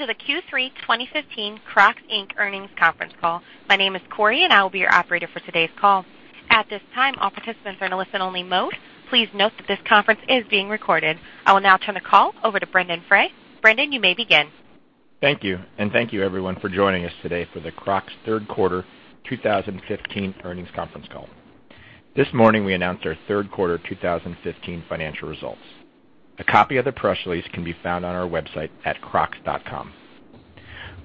Welcome to the Q3 2015 Crocs, Inc. earnings conference call. My name is Corey, I will be your operator for today's call. At this time, all participants are in a listen-only mode. Please note that this conference is being recorded. I will now turn the call over to Brendon Frey. Brendan, you may begin. Thank you, thank you, everyone, for joining us today for the Crocs third quarter 2015 earnings conference call. This morning, we announced our third quarter 2015 financial results. A copy of the press release can be found on our website at crocs.com.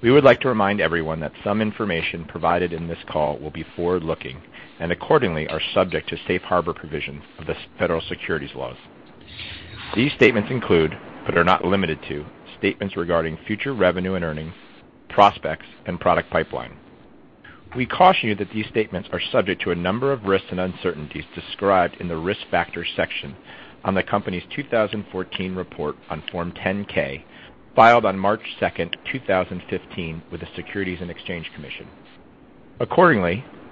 We would like to remind everyone that some information provided in this call will be forward-looking and accordingly are subject to Safe Harbor provisions of the federal securities laws. These statements include, but are not limited to, statements regarding future revenue and earnings, prospects, and product pipeline. We caution you that these statements are subject to a number of risks and uncertainties described in the Risk Factors section on the company's 2014 report on Form 10-K, filed on March 2nd, 2015, with the Securities and Exchange Commission.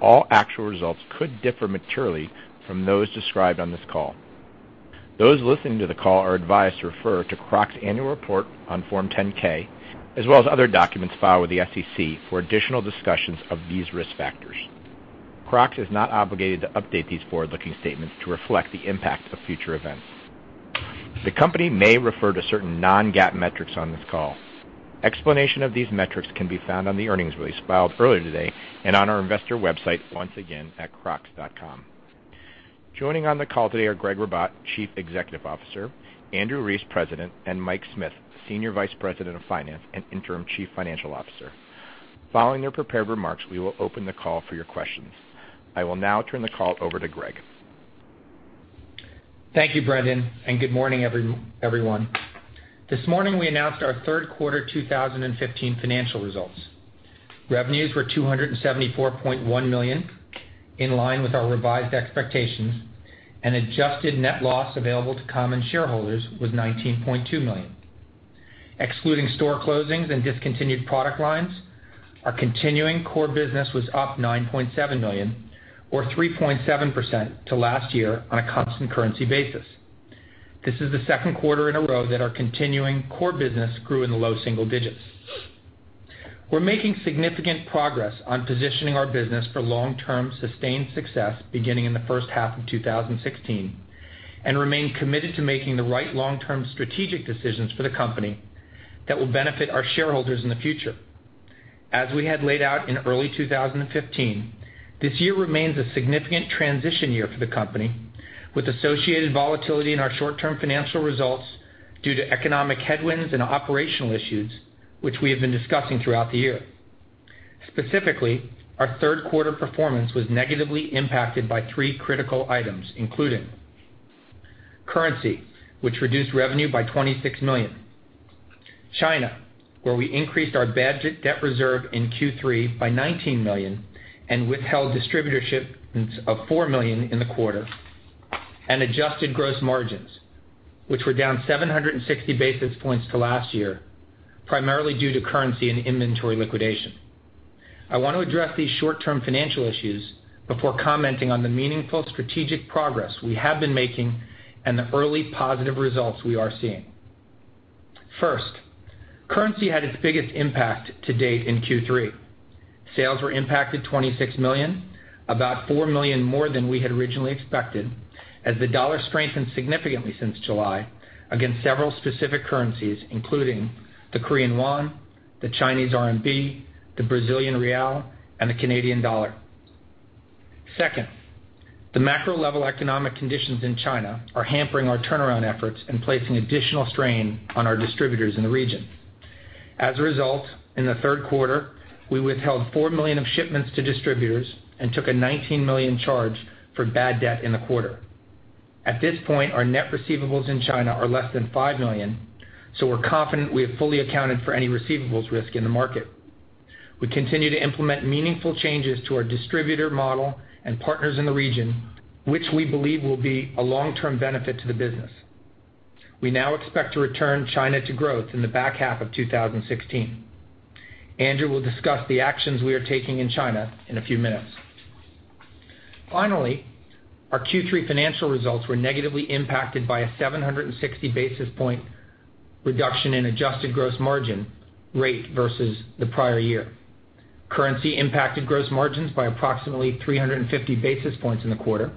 All actual results could differ materially from those described on this call. Those listening to the call are advised to refer to Crocs' annual report on Form 10-K, as well as other documents filed with the SEC for additional discussions of these risk factors. Crocs is not obligated to update these forward-looking statements to reflect the impact of future events. The company may refer to certain non-GAAP metrics on this call. Explanation of these metrics can be found on the earnings release filed earlier today on our investor website, once again, at crocs.com. Joining on the call today are Gregg Ribatt, Chief Executive Officer, Andrew Rees, President, and Mike Smith, Senior Vice President of Finance and Interim Chief Financial Officer. Following their prepared remarks, we will open the call for your questions. I will now turn the call over to Gregg. Thank you, Brendon, good morning, everyone. This morning, we announced our third quarter 2015 financial results. Revenues were $274.1 million, in line with our revised expectations, adjusted net loss available to common shareholders was $19.2 million. Excluding store closings and discontinued product lines, our continuing core business was up $9.7 million or 3.7% to last year on a constant currency basis. This is the second quarter in a row that our continuing core business grew in the low single digits. We're making significant progress on positioning our business for long-term sustained success beginning in the first half of 2016 and remain committed to making the right long-term strategic decisions for the company that will benefit our shareholders in the future. As we had laid out in early 2015, this year remains a significant transition year for the company, with associated volatility in our short-term financial results due to economic headwinds and operational issues which we have been discussing throughout the year. Specifically, our third quarter performance was negatively impacted by three critical items, including currency, which reduced revenue by $26 million; China, where we increased our bad debt reserve in Q3 by $19 million and withheld distributor shipments of $4 million in the quarter; and adjusted gross margins, which were down 760 basis points to last year, primarily due to currency and inventory liquidation. I want to address these short-term financial issues before commenting on the meaningful strategic progress we have been making and the early positive results we are seeing. First, currency had its biggest impact to date in Q3. Sales were impacted $26 million, about $4 million more than we had originally expected, as the dollar strengthened significantly since July against several specific currencies, including the Korean won, the Chinese RMB, the Brazilian real, and the Canadian dollar. Second, the macro-level economic conditions in China are hampering our turnaround efforts and placing additional strain on our distributors in the region. As a result, in the third quarter, we withheld $4 million of shipments to distributors and took a $19 million charge for bad debt in the quarter. At this point, our net receivables in China are less than $5 million, so we're confident we have fully accounted for any receivables risk in the market. We continue to implement meaningful changes to our distributor model and partners in the region, which we believe will be a long-term benefit to the business. We now expect to return China to growth in the back half of 2016. Andrew will discuss the actions we are taking in China in a few minutes. Finally, our Q3 financial results were negatively impacted by a 760-basis point reduction in adjusted gross margin rate versus the prior year. Currency impacted gross margins by approximately 350 basis points in the quarter.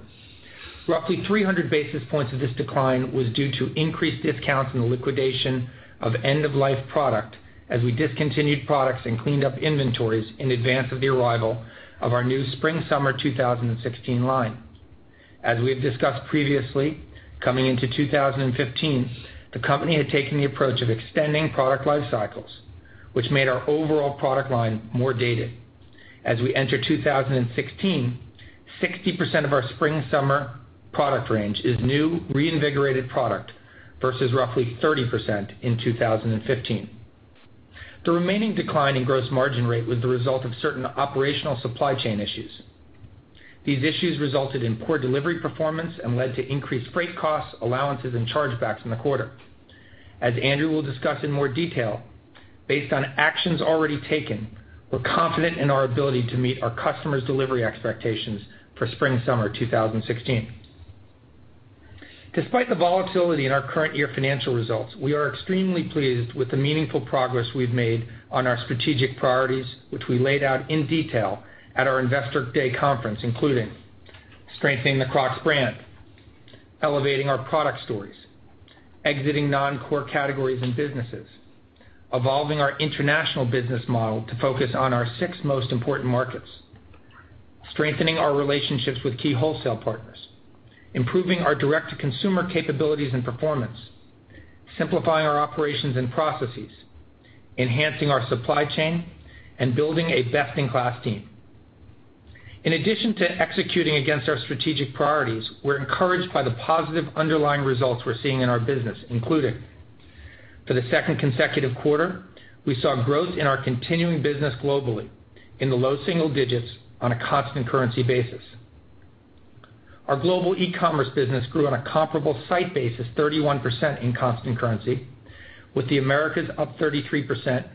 Roughly 300 basis points of this decline was due to increased discounts and the liquidation of end-of-life product as we discontinued products and cleaned up inventories in advance of the arrival of our new spring/summer 2016 line. As we have discussed previously, coming into 2015, the company had taken the approach of extending product life cycles, which made our overall product line more dated. As we enter 2016, 60% of our spring/summer product range is new, reinvigorated product versus roughly 30% in 2015. The remaining decline in gross margin rate was the result of certain operational supply chain issues. These issues resulted in poor delivery performance and led to increased freight costs, allowances, and chargebacks in the quarter. As Andrew will discuss in more detail, based on actions already taken, we're confident in our ability to meet our customers' delivery expectations for spring/summer 2016. Despite the volatility in our current year financial results, we are extremely pleased with the meaningful progress we've made on our strategic priorities, which we laid out in detail at our Investor Day conference, including strengthening the Crocs brand, elevating our product stories, exiting non-core categories and businesses, evolving our international business model to focus on our six most important markets, strengthening our relationships with key wholesale partners, improving our direct-to-consumer capabilities and performance, simplifying our operations and processes, enhancing our supply chain, and building a best-in-class team. In addition to executing against our strategic priorities, we're encouraged by the positive underlying results we're seeing in our business, including for the second consecutive quarter, we saw growth in our continuing business globally in the low single digits on a constant currency basis. Our global e-commerce business grew on a comparable site basis 31% in constant currency, with the Americas up 33%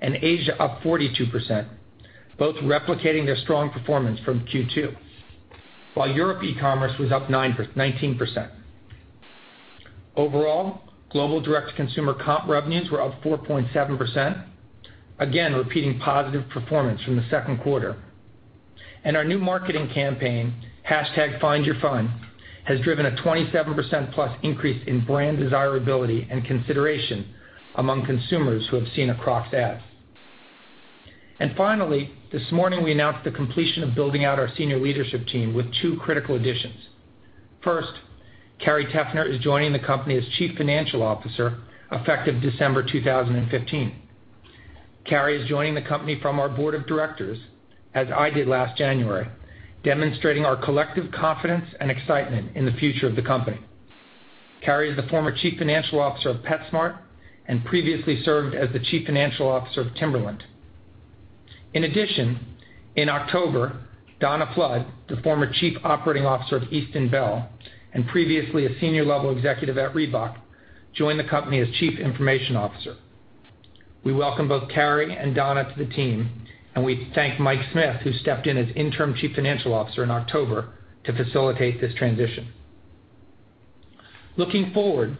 and Asia up 42%, both replicating their strong performance from Q2, while Europe e-commerce was up 19%. Overall, global direct-to-consumer comp revenues were up 4.7%, again repeating positive performance from the second quarter. Our new marketing campaign, #FindYourFun, has driven a 27% plus increase in brand desirability and consideration among consumers who have seen a Crocs ad. Finally, this morning we announced the completion of building out our senior leadership team with two critical additions. First, Carrie Teffner is joining the company as Chief Financial Officer effective December 2015. Carrie is joining the company from our board of directors, as I did last January, demonstrating our collective confidence and excitement in the future of the company. Carrie is the former Chief Financial Officer of PetSmart and previously served as the Chief Financial Officer of Timberland. In addition, in October, Donna Flood, the former Chief Operating Officer of Easton-Bell and previously a senior-level executive at Reebok, joined the company as Chief Information Officer. We welcome both Carrie and Donna to the team, we thank Mike Smith, who stepped in as Interim Chief Financial Officer in October to facilitate this transition. Looking forward,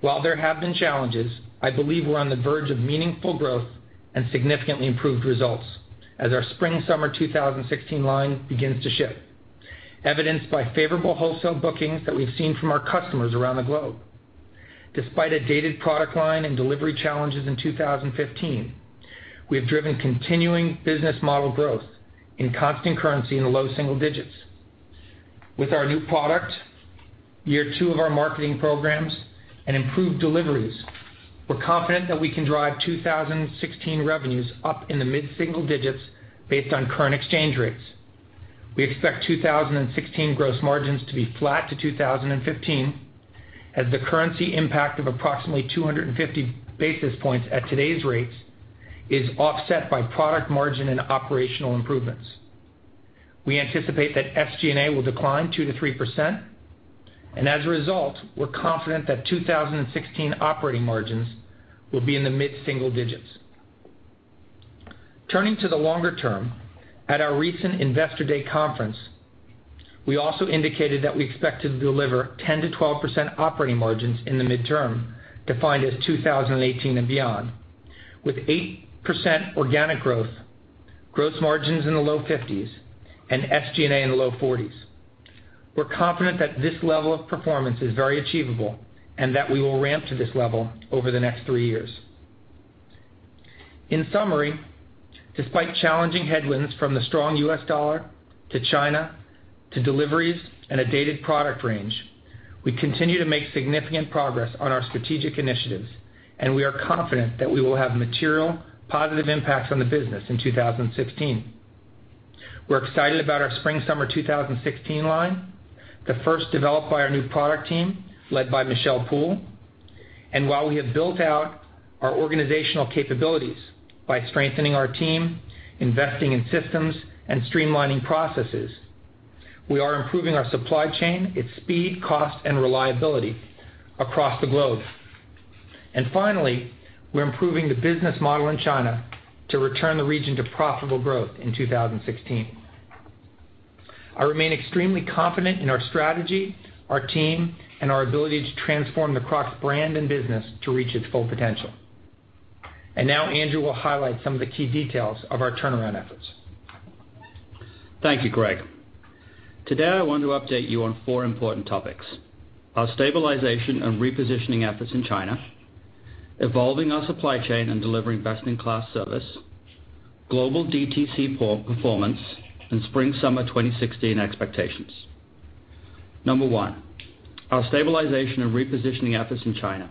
while there have been challenges, I believe we're on the verge of meaningful growth and significantly improved results as our spring-summer 2016 line begins to ship, evidenced by favorable wholesale bookings that we've seen from our customers around the globe. Despite a dated product line and delivery challenges in 2015, we have driven continuing business model growth in constant currency in the low single digits. With our new product, year two of our marketing programs, and improved deliveries, we're confident that we can drive 2016 revenues up in the mid-single digits based on current exchange rates. We expect 2016 gross margins to be flat to 2015, as the currency impact of approximately 250 basis points at today's rates is offset by product margin and operational improvements. We anticipate that SG&A will decline 2%-3%. As a result, we're confident that 2016 operating margins will be in the mid-single digits. Turning to the longer term, at our recent Investor Day conference, we also indicated that we expect to deliver 10%-12% operating margins in the midterm, defined as 2018 and beyond, with 8% organic growth, gross margins in the low 50s, and SG&A in the low 40s. We're confident that this level of performance is very achievable and that we will ramp to this level over the next three years. In summary, despite challenging headwinds from the strong U.S. dollar to China to deliveries and a dated product range, we continue to make significant progress on our strategic initiatives. We are confident that we will have material positive impacts on the business in 2016. We're excited about our spring-summer 2016 line, the first developed by our new product team led by Michelle Poole. While we have built out our organizational capabilities by strengthening our team, investing in systems, and streamlining processes, we are improving our supply chain, its speed, cost, and reliability across the globe. Finally, we're improving the business model in China to return the region to profitable growth in 2016. I remain extremely confident in our strategy, our team, and our ability to transform the Crocs brand and business to reach its full potential. Now Andrew will highlight some of the key details of our turnaround efforts. Thank you, Gregg. Today, I want to update you on four important topics: our stabilization and repositioning efforts in China, evolving our supply chain and delivering best-in-class service, global DTC performance, and spring-summer 2016 expectations. Number one, our stabilization and repositioning efforts in China.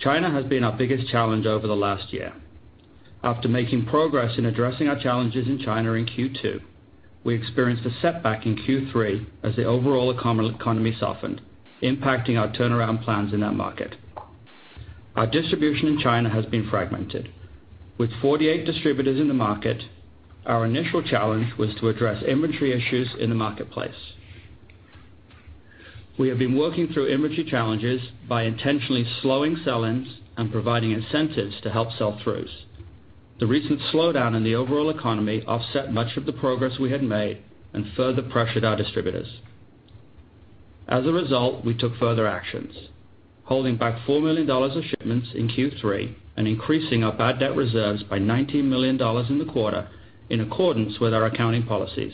China has been our biggest challenge over the last year. After making progress in addressing our challenges in China in Q2, we experienced a setback in Q3 as the overall economy softened, impacting our turnaround plans in that market. Our distribution in China has been fragmented. With 48 distributors in the market, our initial challenge was to address inventory issues in the marketplace. We have been working through inventory challenges by intentionally slowing sell-ins and providing incentives to help sell-throughs. The recent slowdown in the overall economy offset much of the progress we had made and further pressured our distributors. As a result, we took further actions, holding back $4 million of shipments in Q3 and increasing our bad debt reserves by $19 million in the quarter in accordance with our accounting policies.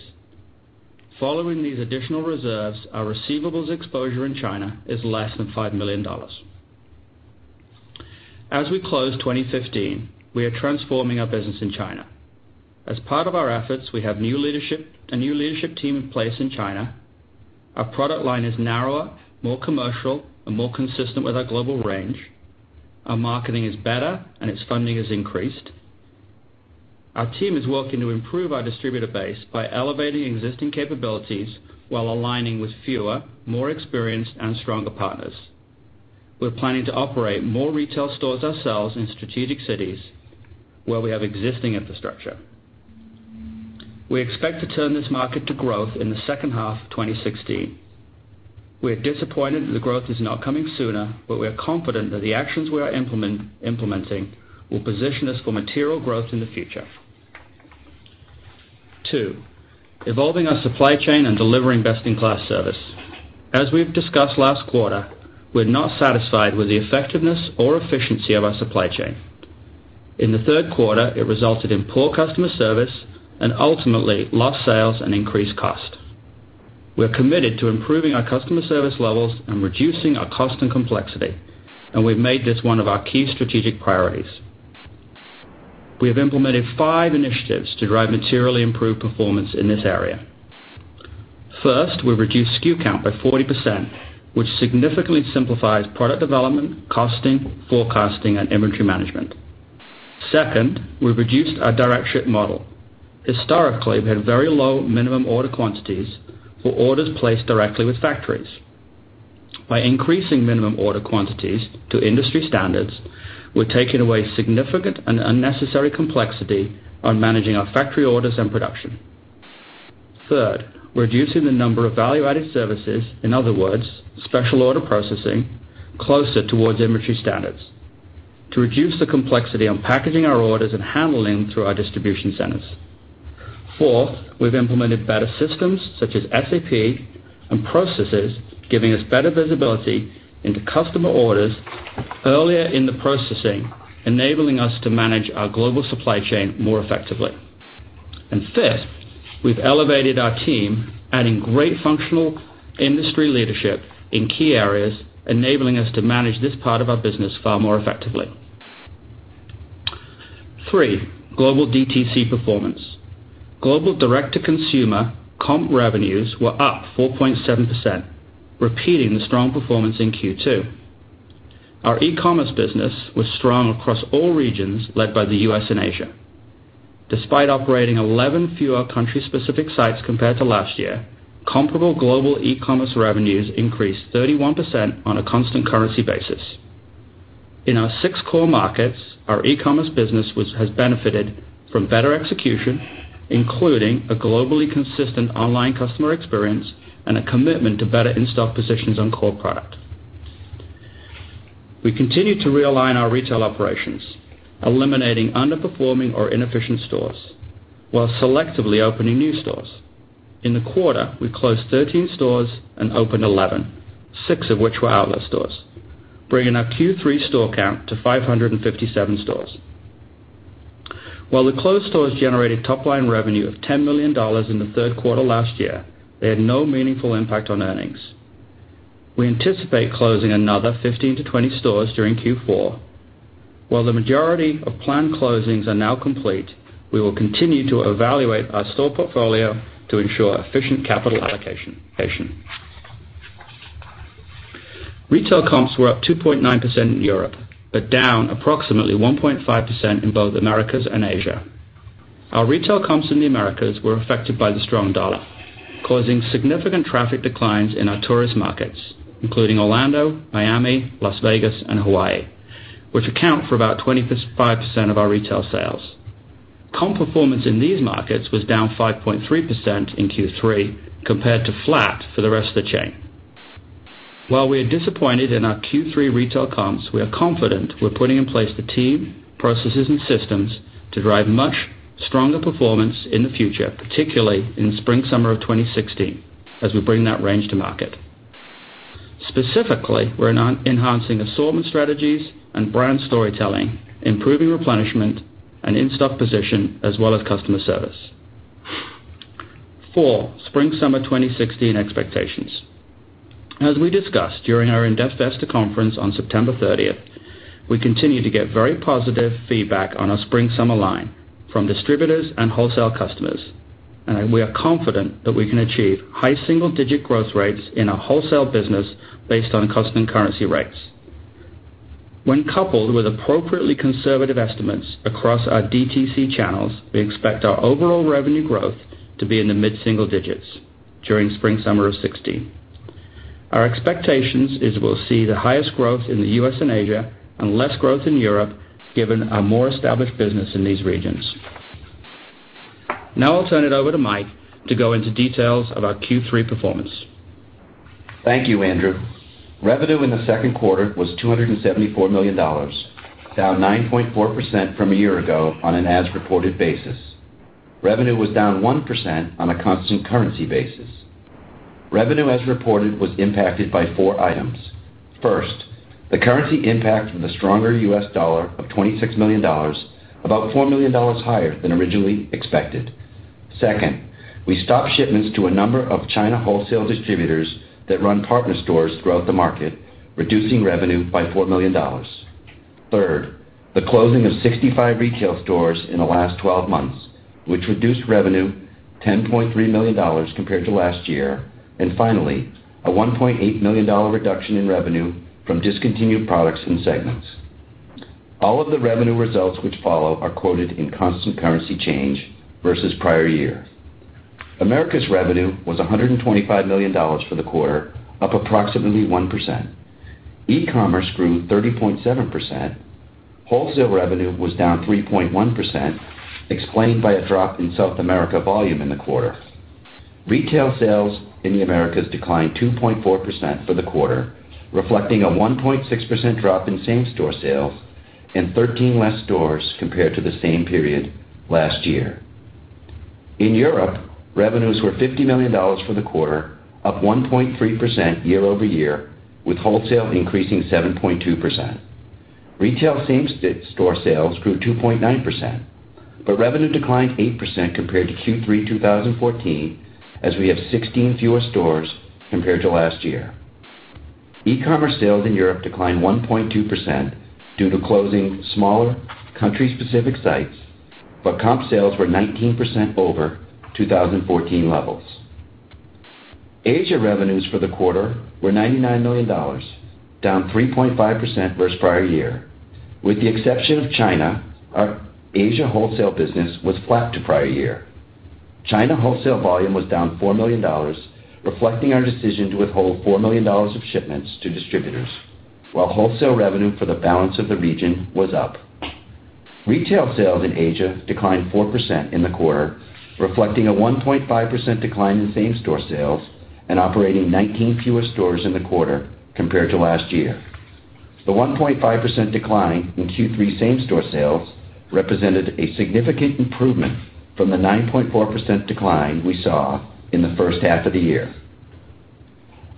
Following these additional reserves, our receivables exposure in China is less than $5 million. As we close 2015, we are transforming our business in China. As part of our efforts, we have a new leadership team in place in China. Our product line is narrower, more commercial, and more consistent with our global range. Our marketing is better and its funding has increased. Our team is working to improve our distributor base by elevating existing capabilities while aligning with fewer, more experienced, and stronger partners. We're planning to operate more retail stores ourselves in strategic cities where we have existing infrastructure. We expect to turn this market to growth in the second half of 2016. We're disappointed that the growth is not coming sooner, we are confident that the actions we are implementing will position us for material growth in the future. Two, evolving our supply chain and delivering best-in-class service. As we've discussed last quarter, we're not satisfied with the effectiveness or efficiency of our supply chain. In the third quarter, it resulted in poor customer service and ultimately lost sales and increased cost. We're committed to improving our customer service levels and reducing our cost and complexity, and we've made this one of our key strategic priorities. We have implemented five initiatives to drive materially improved performance in this area. First, we've reduced SKU count by 40%, which significantly simplifies product development, costing, forecasting, and inventory management. Second, we've reduced our direct ship model. Historically, we had very low minimum order quantities for orders placed directly with factories. By increasing minimum order quantities to industry standards, we're taking away significant and unnecessary complexity on managing our factory orders and production. Third, we're reducing the number of value-added services, in other words, special order processing, closer towards inventory standards to reduce the complexity on packaging our orders and handling through our distribution centers. Fourth, we've implemented better systems, such as SAP, and processes giving us better visibility into customer orders earlier in the processing, enabling us to manage our global supply chain more effectively. Fifth, we've elevated our team, adding great functional industry leadership in key areas, enabling us to manage this part of our business far more effectively. Three, global DTC performance. Global direct-to-consumer comp revenues were up 4.7%, repeating the strong performance in Q2. Our e-commerce business was strong across all regions, led by the U.S. and Asia. Despite operating 11 fewer country-specific sites compared to last year, comparable global e-commerce revenues increased 31% on a constant currency basis. In our six core markets, our e-commerce business has benefited from better execution, including a globally consistent online customer experience and a commitment to better in-stock positions on core product. We continue to realign our retail operations, eliminating underperforming or inefficient stores while selectively opening new stores. In the quarter, we closed 13 stores and opened 11, six of which were outlet stores, bringing our Q3 store count to 557 stores. While the closed stores generated top-line revenue of $10 million in the third quarter last year, they had no meaningful impact on earnings. We anticipate closing another 15 to 20 stores during Q4. While the majority of planned closings are now complete, we will continue to evaluate our store portfolio to ensure efficient capital allocation. Retail comps were up 2.9% in Europe, but down approximately 1.5% in both Americas and Asia. Our retail comps in the Americas were affected by the strong dollar, causing significant traffic declines in our tourist markets, including Orlando, Miami, Las Vegas, and Hawaii, which account for about 25% of our retail sales. Comp performance in these markets was down 5.3% in Q3 compared to flat for the rest of the chain. While we are disappointed in our Q3 retail comps, we are confident we're putting in place the team, processes, and systems to drive much stronger performance in the future, particularly in spring/summer of 2016, as we bring that range to market. Specifically, we're enhancing assortment strategies and brand storytelling, improving replenishment and in-stock position, as well as customer service. Four, spring/summer 2016 expectations. As we discussed during our in-depth investor conference on September 30th, we continue to get very positive feedback on our spring/summer line from distributors and wholesale customers. We are confident that we can achieve high single-digit growth rates in our wholesale business based on constant currency rates. When coupled with appropriately conservative estimates across our DTC channels, we expect our overall revenue growth to be in the mid-single digits during spring/summer of 2016. Our expectation is we'll see the highest growth in the U.S. and Asia and less growth in Europe, given our more established business in these regions. Now I'll turn it over to Mike to go into details of our Q3 performance. Thank you, Andrew. Revenue in the second quarter was $274 million, down 9.4% from a year ago on an as-reported basis. Revenue was down 1% on a constant currency basis. Revenue as reported was impacted by four items. First, the currency impact from the stronger US dollar of $26 million, about $4 million higher than originally expected. Second, we stopped shipments to a number of China wholesale distributors that run partner stores throughout the market, reducing revenue by $4 million. Third, the closing of 65 retail stores in the last 12 months, which reduced revenue $10.3 million compared to last year. Finally, a $1.8 million reduction in revenue from discontinued products and segments. All of the revenue results which follow are quoted in constant currency change versus prior year. Americas revenue was $125 million for the quarter, up approximately 1%. E-commerce grew 30.7%. Wholesale revenue was down 3.1%, explained by a drop in South America volume in the quarter. Retail sales in the Americas declined 2.4% for the quarter, reflecting a 1.6% drop in same-store sales and 13 less stores compared to the same period last year. In Europe, revenues were $50 million for the quarter, up 1.3% year-over-year, with wholesale increasing 7.2%. Retail same-store sales grew 2.9%, revenue declined 8% compared to Q3 2014, as we have 16 fewer stores compared to last year. E-commerce sales in Europe declined 1.2% due to closing smaller country-specific sites, comp sales were 19% over 2014 levels. Asia revenues for the quarter were $99 million, down 3.5% versus prior year. With the exception of China, our Asia wholesale business was flat to prior year. China wholesale volume was down $4 million, reflecting our decision to withhold $4 million of shipments to distributors, while wholesale revenue for the balance of the region was up. Retail sales in Asia declined 4% in the quarter, reflecting a 1.5% decline in same-store sales and operating 19 fewer stores in the quarter compared to last year. The 1.5% decline in Q3 same-store sales represented a significant improvement from the 9.4% decline we saw in the first half of the year.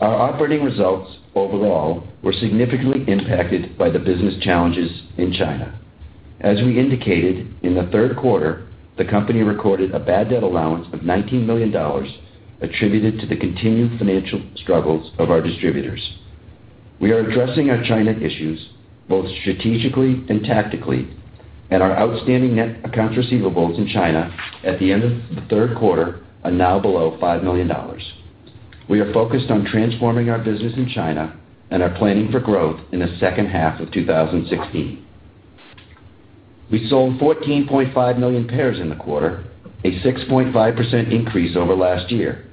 Our operating results overall were significantly impacted by the business challenges in China. As we indicated in the third quarter, the company recorded a bad debt allowance of $19 million attributed to the continued financial struggles of our distributors. We are addressing our China issues both strategically and tactically, our outstanding net accounts receivables in China at the end of the third quarter are now below $5 million. We are focused on transforming our business in China and are planning for growth in the second half of 2016. We sold 14.5 million pairs in the quarter, a 6.5% increase over last year.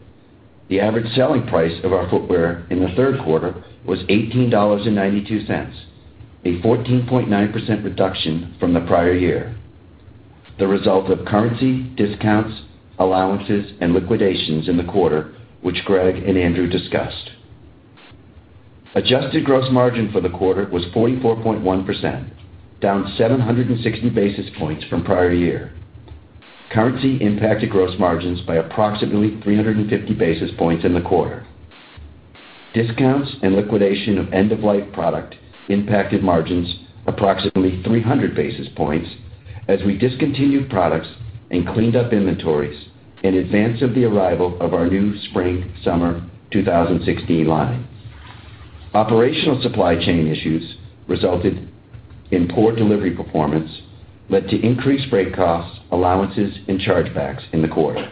The average selling price of our footwear in the third quarter was $18.92, a 14.9% reduction from the prior year, the result of currency discounts, allowances, and liquidations in the quarter, which Gregg and Andrew discussed. Adjusted gross margin for the quarter was 44.1%, down 760 basis points from prior year. Currency impacted gross margins by approximately 350 basis points in the quarter. Discounts and liquidation of end-of-life product impacted margins approximately 300 basis points as we discontinued products and cleaned up inventories in advance of the arrival of our new spring-summer 2016 line. Operational supply chain issues resulted in poor delivery performance, led to increased freight costs, allowances, and chargebacks in the quarter.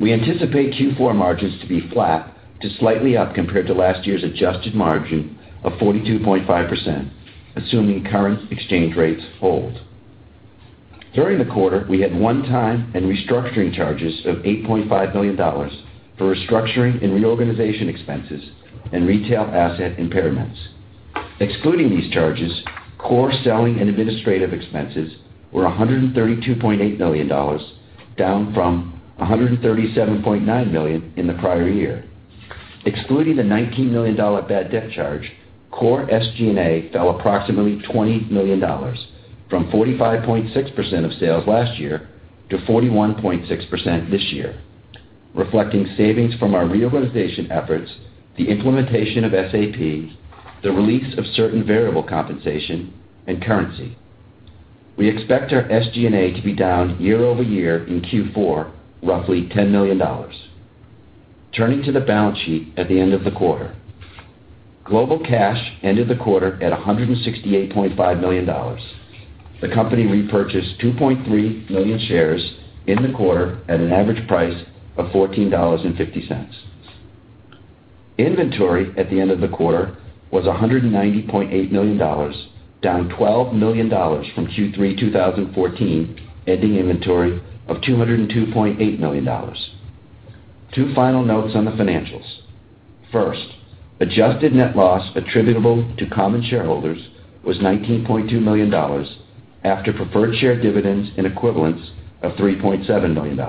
We anticipate Q4 margins to be flat to slightly up compared to last year's adjusted margin of 42.5%, assuming current exchange rates hold. During the quarter, we had one-time and restructuring charges of $8.5 million for restructuring and reorganization expenses and retail asset impairments. Excluding these charges, core selling and administrative expenses were $132.8 million, down from $137.9 million in the prior year. Excluding the $19 million bad debt charge, core SG&A fell approximately $20 million, from 45.6% of sales last year to 41.6% this year, reflecting savings from our reorganization efforts, the implementation of SAP, the release of certain variable compensation, and currency. We expect our SG&A to be down year-over-year in Q4, roughly $10 million. Turning to the balance sheet at the end of the quarter. Global cash ended the quarter at $168.5 million. The company repurchased 2.3 million shares in the quarter at an average price of $14.50. Inventory at the end of the quarter was $190.8 million, down $12 million from Q3 2014, ending inventory of $202.8 million. Two final notes on the financials. First, adjusted net loss attributable to common shareholders was $19.2 million after preferred share dividends in equivalence of $3.7 million.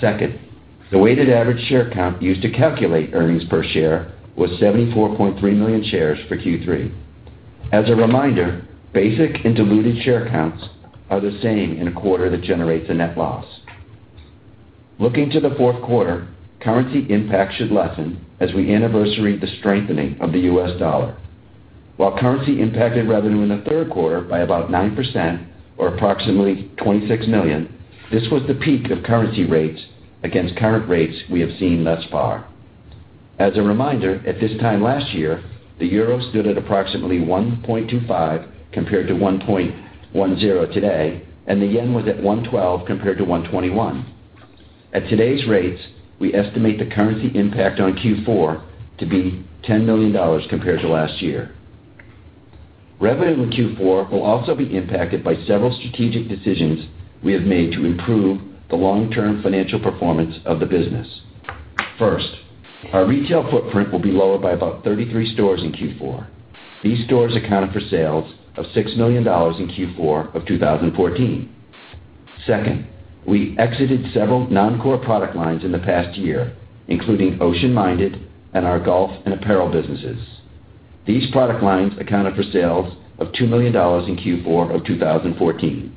Second, the weighted average share count used to calculate earnings per share was 74.3 million shares for Q3. As a reminder, basic and diluted share counts are the same in a quarter that generates a net loss. Looking to the fourth quarter, currency impact should lessen as we anniversary the strengthening of the U.S. dollar. While currency impacted revenue in the third quarter by about 9%, or approximately $26 million, this was the peak of currency rates against current rates we have seen thus far. As a reminder, at this time last year, the euro stood at approximately 1.25 compared to 1.10 today, and the yen was at 112 compared to 121. At today's rates, we estimate the currency impact on Q4 to be $10 million compared to last year. Revenue in Q4 will also be impacted by several strategic decisions we have made to improve the long-term financial performance of the business. First, our retail footprint will be lower by about 33 stores in Q4. These stores accounted for sales of $6 million in Q4 of 2014. Second, we exited several non-core product lines in the past year, including Ocean Minded and our golf and apparel businesses. These product lines accounted for sales of $2 million in Q4 of 2014.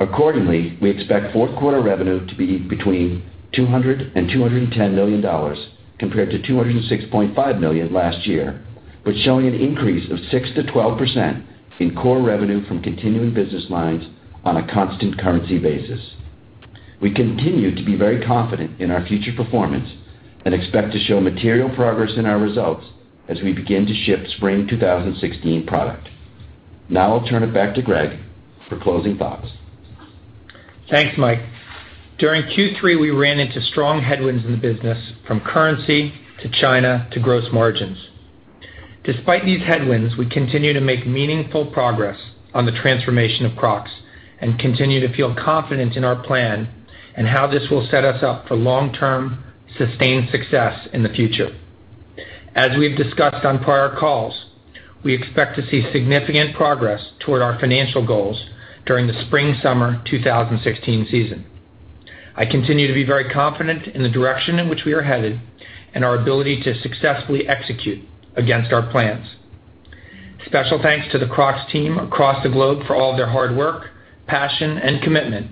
Accordingly, we expect fourth quarter revenue to be between $200 million and $210 million, compared to $206.5 million last year, but showing an increase of 6%-12% in core revenue from continuing business lines on a constant currency basis. We continue to be very confident in our future performance and expect to show material progress in our results as we begin to ship Spring 2016 product. Now I'll turn it back to Gregg for closing thoughts. Thanks, Mike. During Q3, we ran into strong headwinds in the business, from currency to China to gross margins. Despite these headwinds, we continue to make meaningful progress on the transformation of Crocs and continue to feel confident in our plan and how this will set us up for long-term sustained success in the future. As we've discussed on prior calls, we expect to see significant progress toward our financial goals during the spring/summer 2016 season. I continue to be very confident in the direction in which we are headed and our ability to successfully execute against our plans. Special thanks to the Crocs team across the globe for all of their hard work, passion, and commitment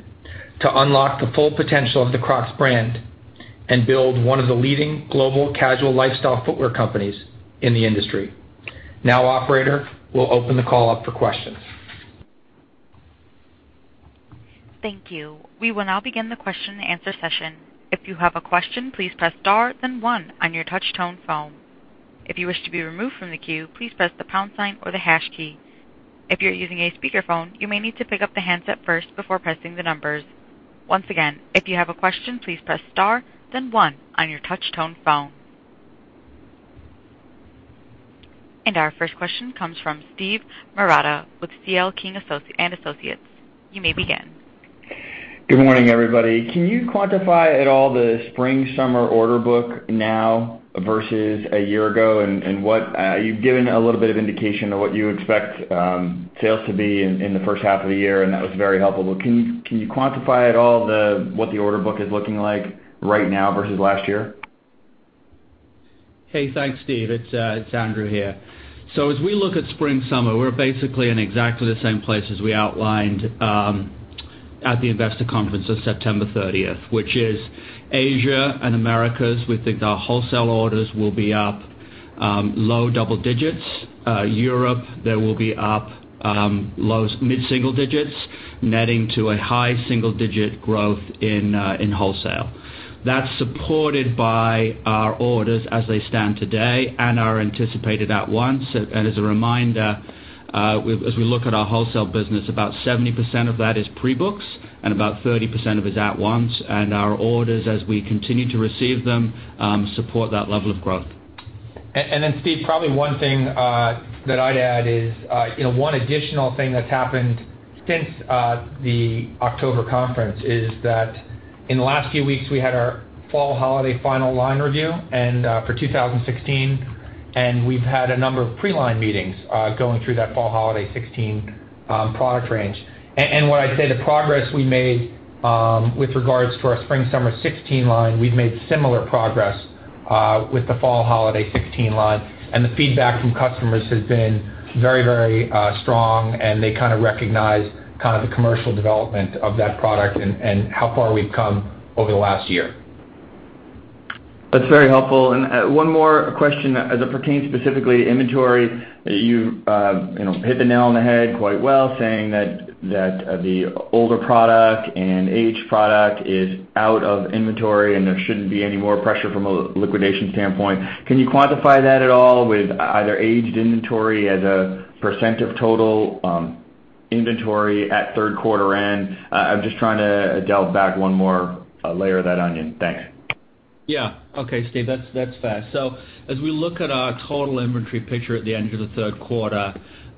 to unlock the full potential of the Crocs brand and build one of the leading global casual lifestyle footwear companies in the industry. operator, we'll open the call up for questions. Thank you. We will now begin the question and answer session. If you have a question, please press star then one on your touch-tone phone. If you wish to be removed from the queue, please press the pound sign or the hash key. If you're using a speakerphone, you may need to pick up the handset first before pressing the numbers. Once again, if you have a question, please press star then one on your touch-tone phone. Our first question comes from Steven Marotta with C.L. King & Associates. You may begin. Good morning, everybody. Can you quantify at all the spring/summer order book now versus a year ago? You've given a little bit of indication of what you expect sales to be in the first half of the year, and that was very helpful. Can you quantify at all what the order book is looking like right now versus last year? Hey, thanks Steve. It's Andrew here. As we look at spring/summer, we're basically in exactly the same place as we outlined at the investor conference of September 30th, which is Asia and Americas. We think our wholesale orders will be up low double digits. Europe, they will be up mid-single digits, netting to a high single-digit growth in wholesale. That's supported by our orders as they stand today and are anticipated at once. As a reminder, as we look at our wholesale business, about 70% of that is pre-books and about 30% of it is at once. Our orders as we continue to receive them, support that level of growth. Steve, probably one thing that I'd add is, one additional thing that's happened since the October conference is that in the last few weeks, we had our fall holiday final line review for 2016, and we've had a number of pre-line meetings going through that fall holiday 2016 product range. When I say the progress we made with regards to our spring/summer 2016 line, we've made similar progress with the fall holiday 2016 line. The feedback from customers has been very strong, and they kind of recognize the commercial development of that product and how far we've come over the last year. That's very helpful. One more question as it pertains specifically to inventory. You hit the nail on the head quite well saying that the older product and aged product is out of inventory and there shouldn't be any more pressure from a liquidation standpoint. Can you quantify that at all with either aged inventory as a percent of total inventory at third quarter end? I'm just trying to delve back one more layer of that onion. Thanks. Okay, Steve, that's fair. As we look at our total inventory picture at the end of the third quarter,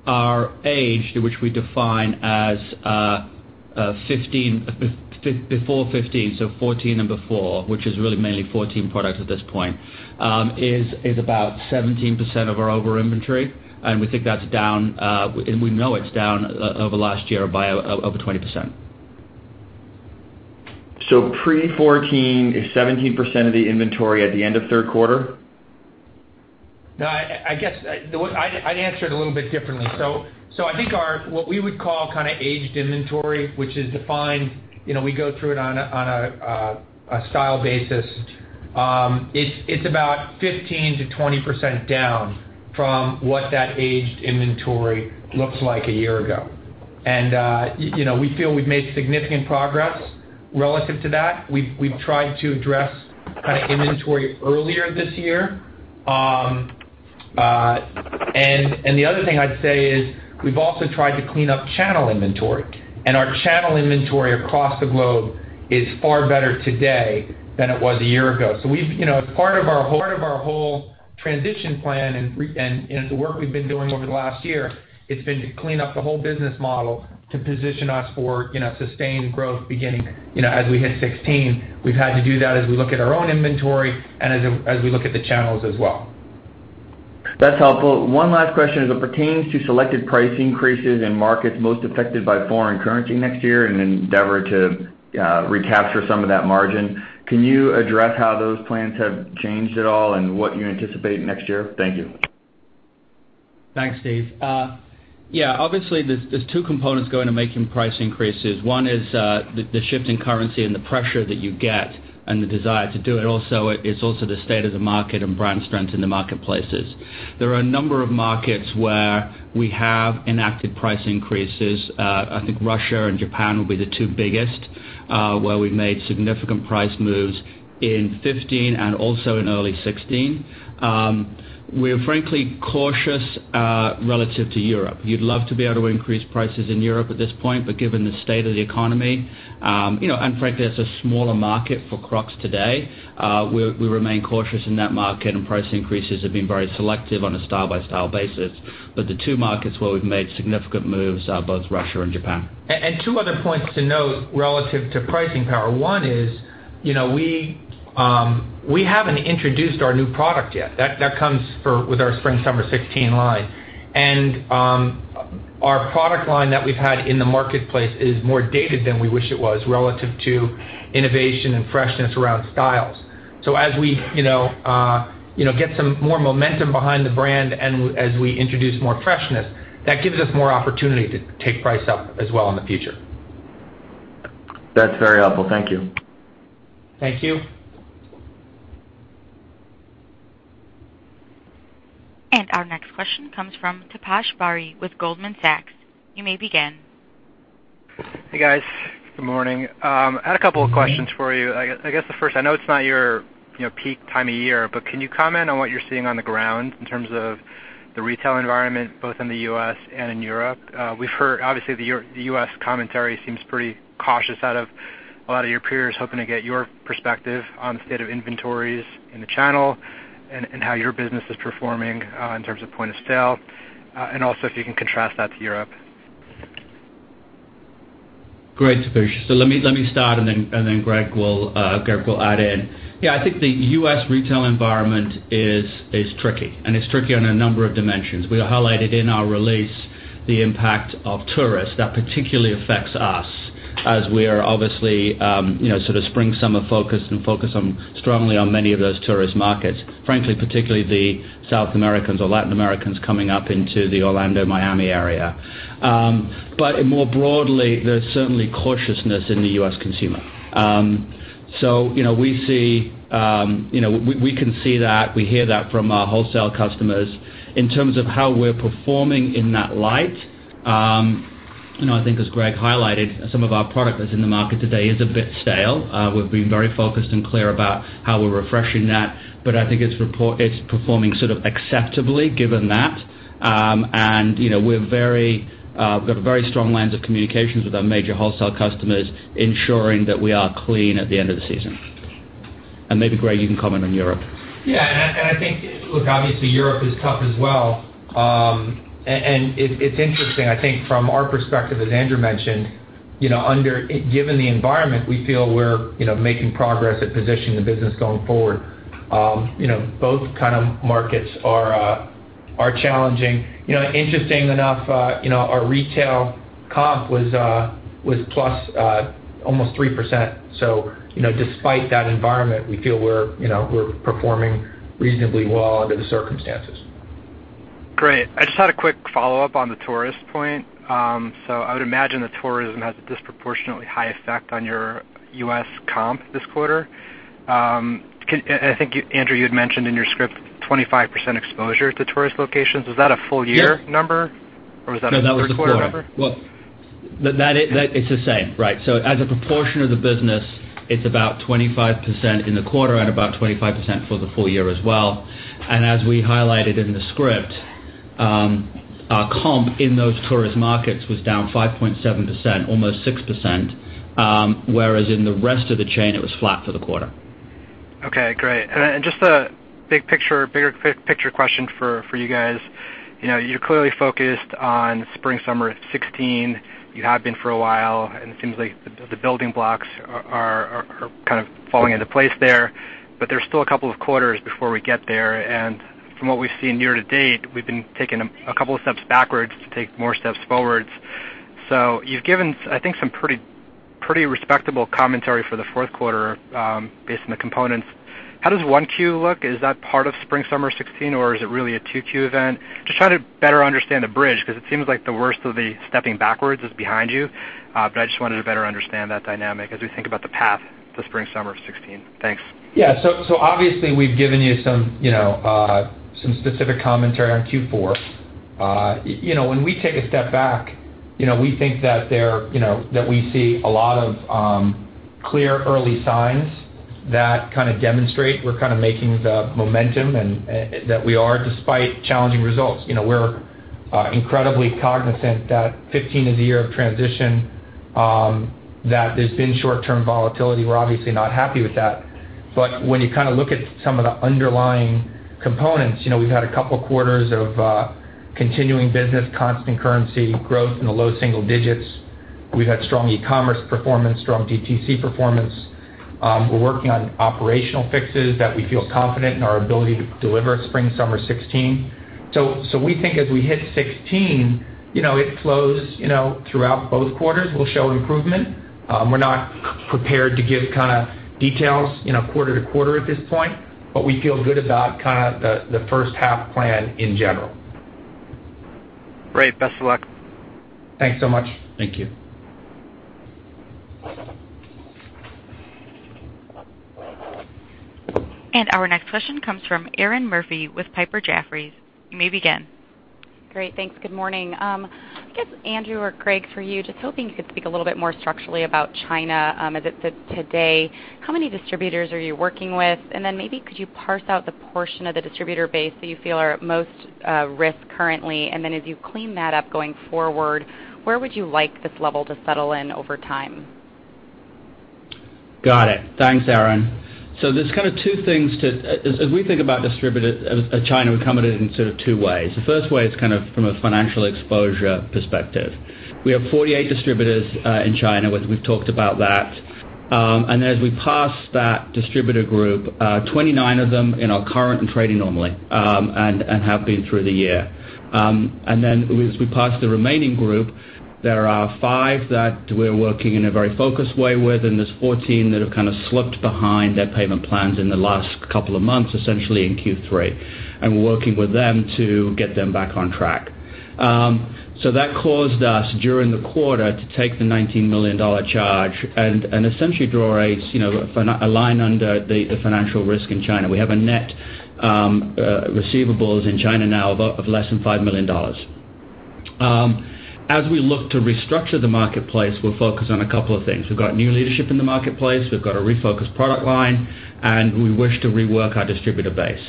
our age, which we define as before 15, so 14 and before, which is really mainly 14 products at this point, is about 17% of our overall inventory. We know it's down over last year by over 20%. Pre-14 is 17% of the inventory at the end of third quarter? I guess I'd answer it a little bit differently. I think what we would call aged inventory, which is defined, we go through it on a style basis. It's about 15%-20% down from what that aged inventory looks like a year ago. We feel we've made significant progress relative to that. We've tried to address inventory earlier this year. The other thing I'd say is we've also tried to clean up channel inventory, and our channel inventory across the globe is far better today than it was a year ago. As part of our whole transition plan and the work we've been doing over the last year, it's been to clean up the whole business model to position us for sustained growth beginning as we hit 2016. We've had to do that as we look at our own inventory and as we look at the channels as well. That's helpful. One last question. As it pertains to selected price increases in markets most affected by foreign currency next year in an endeavor to recapture some of that margin, can you address how those plans have changed at all and what you anticipate next year? Thank you. Thanks, Steve. Obviously, there's two components go into making price increases. One is the shift in currency and the pressure that you get and the desire to do it. It's also the state of the market and brand strength in the marketplaces. There are a number of markets where we have enacted price increases. I think Russia and Japan will be the two biggest, where we've made significant price moves in 2015 and also in early 2016. We're frankly cautious relative to Europe. You'd love to be able to increase prices in Europe at this point, but given the state of the economy, and frankly, that's a smaller market for Crocs today, we remain cautious in that market, and price increases have been very selective on a style-by-style basis. The two markets where we've made significant moves are both Russia and Japan. Two other points to note relative to pricing power. One is, we haven't introduced our new product yet. That comes with our spring-summer 2016 line. Our product line that we've had in the marketplace is more dated than we wish it was relative to innovation and freshness around styles. As we get some more momentum behind the brand and as we introduce more freshness, that gives us more opportunity to take price up as well in the future. That's very helpful. Thank you. Thank you. Our next question comes from Taposh Bari with Goldman Sachs. You may begin. Hey, guys. Good morning. I had a couple of questions for you. I guess the first, I know it's not your peak time of year, but can you comment on what you're seeing on the ground in terms of the retail environment, both in the U.S. and in Europe? We've heard, obviously, the U.S. commentary seems pretty cautious out of a lot of your peers, hoping to get your perspective on the state of inventories in the channel and how your business is performing in terms of point of sale. Also, if you can contrast that to Europe. Great, Taposh. Let me start, and then Gregg will add in. Yeah, I think the U.S. retail environment is tricky, and it's tricky on a number of dimensions. We highlighted in our release the impact of tourists. That particularly affects us as we are obviously spring, summer focused and focused strongly on many of those tourist markets, frankly, particularly the South Americans or Latin Americans coming up into the Orlando, Miami area. More broadly, there's certainly cautiousness in the U.S. consumer. We can see that, we hear that from our wholesale customers. In terms of how we're performing in that light, I think as Gregg highlighted, some of our product that's in the market today is a bit stale. We've been very focused and clear about how we're refreshing that, but I think it's performing acceptably given that. We've got very strong lines of communications with our major wholesale customers, ensuring that we are clean at the end of the season. Maybe, Gregg, you can comment on Europe. Yeah, I think, look, obviously, Europe is tough as well. It's interesting, I think from our perspective, as Andrew mentioned, given the environment, we feel we're making progress at positioning the business going forward. Both kind of markets are challenging. Interesting enough, our retail comp was plus almost 3%. Despite that environment, we feel we're performing reasonably well under the circumstances. Great. I just had a quick follow-up on the tourist point. I would imagine that tourism has a disproportionately high effect on your U.S. comp this quarter. I think, Andrew, you had mentioned in your script 25% exposure to tourist locations. Is that a full year number? Yes. Was that a third quarter number? No, that was the quarter. Well, it's the same, right? As a proportion of the business, it's about 25% in the quarter and about 25% for the full year as well. As we highlighted in the script. Our comp in those tourist markets was down 5.7%, almost 6%, whereas in the rest of the chain, it was flat for the quarter. Okay, great. Just a bigger picture question for you guys. You're clearly focused on spring/summer 2016. You have been for a while, and it seems like the building blocks are kind of falling into place there, but there's still a couple of quarters before we get there. From what we've seen year-to-date, we've been taking a couple of steps backwards to take more steps forwards. You've given, I think, some pretty respectable commentary for the fourth quarter based on the components. How does 1Q look? Is that part of spring/summer 2016, or is it really a 2Q event? Just trying to better understand the bridge, because it seems like the worst of the stepping backwards is behind you. I just wanted to better understand that dynamic as we think about the path to spring/summer 2016. Thanks. Yeah. Obviously, we've given you some specific commentary on Q4. When we take a step back, we think that we see a lot of clear early signs that demonstrate we're making the momentum, and that we are, despite challenging results. We're incredibly cognizant that 2015 is a year of transition, that there's been short-term volatility. We're obviously not happy with that. When you look at some of the underlying components, we've had a couple of quarters of continuing business, constant currency growth in the low single digits. We've had strong e-commerce performance, strong DTC performance. We're working on operational fixes that we feel confident in our ability to deliver spring/summer 2016. We think as we hit 2016, it flows throughout both quarters. We'll show improvement. We're not prepared to give details quarter-to-quarter at this point, but we feel good about the first half plan in general. Great. Best of luck. Thanks so much. Thank you. Our next question comes from Erinn Murphy with Piper Jaffray. You may begin. Great. Thanks. Good morning. I guess Andrew or Gregg, for you, just hoping you could speak a little bit more structurally about China. As it sits today, how many distributors are you working with? Maybe could you parse out the portion of the distributor base that you feel are at most risk currently? As you clean that up going forward, where would you like this level to settle in over time? Got it. Thanks, Erinn. There's kind of two things. As we think about China, we come at it in sort of two ways. The first way is from a financial exposure perspective. We have 48 distributors in China. We've talked about that. As we parse that distributor group, 29 of them are current and trading normally, and have been through the year. As we parse the remaining group, there are 5 that we're working in a very focused way with, and there's 14 that have kind of slipped behind their payment plans in the last couple of months, essentially in Q3. We're working with them to get them back on track. That caused us, during the quarter, to take the $19 million charge and essentially draw a line under the financial risk in China. We have a net receivables in China now of less than $5 million. As we look to restructure the marketplace, we're focused on a couple of things. We've got new leadership in the marketplace, we've got a refocused product line, we wish to rework our distributor base.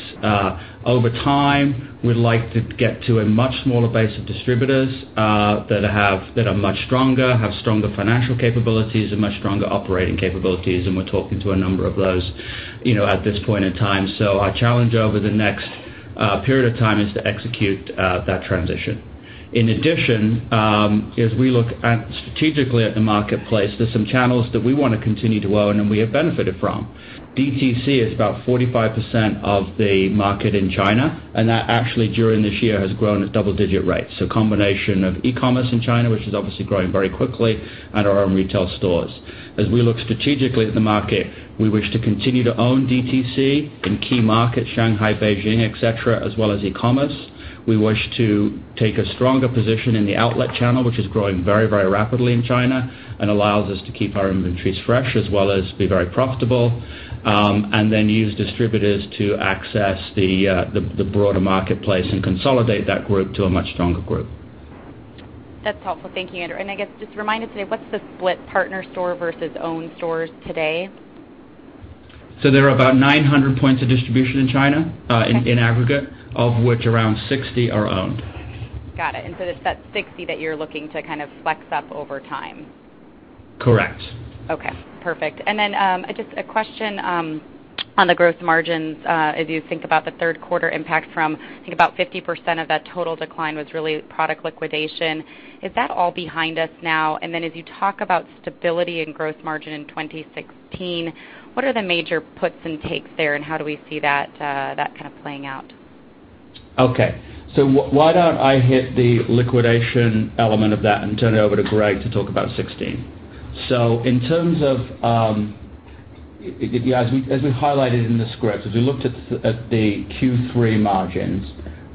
Over time, we'd like to get to a much smaller base of distributors that are much stronger, have stronger financial capabilities and much stronger operating capabilities, we're talking to a number of those at this point in time. Our challenge over the next period of time is to execute that transition. In addition, as we look strategically at the marketplace, there's some channels that we want to continue to own and we have benefited from. DTC is about 45% of the market in China, and that actually, during this year, has grown at double-digit rates. A combination of e-commerce in China, which is obviously growing very quickly, and our own retail stores. As we look strategically at the market, we wish to continue to own DTC in key markets, Shanghai, Beijing, et cetera, as well as e-commerce. We wish to take a stronger position in the outlet channel, which is growing very rapidly in China and allows us to keep our inventories fresh, as well as be very profitable. Use distributors to access the broader marketplace and consolidate that group to a much stronger group. That's helpful. Thank you, Andrew. I guess, just remind us today, what's the split partner store versus owned stores today? There are about 900 points of distribution in China. Okay in aggregate, of which around 60 are owned. Got it. It's that 60 that you're looking to kind of flex up over time. Correct. Okay, perfect. Just a question on the gross margins. As you think about the third quarter impact from, I think about 50% of that total decline was really product liquidation. Is that all behind us now? As you talk about stability and gross margin in 2016, what are the major puts and takes there, and how do we see that kind of playing out? Okay. Why don't I hit the liquidation element of that and turn it over to Gregg to talk about 2016. As we highlighted in the script, as we looked at the Q3 margins,